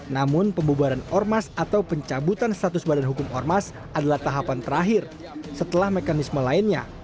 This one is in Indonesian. namun pembubaran ormas atau pencabutan status badan hukum ormas adalah tahapan terakhir setelah mekanisme lainnya